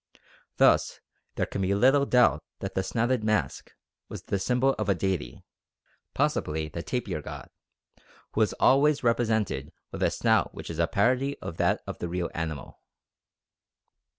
Thus there can be little doubt that the "snouted mask" was the symbol of a deity, possibly the Tapir god, who is always represented with a snout which is a parody of that of the real animal.